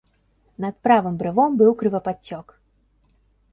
Над правым брывом быў крывападцёк.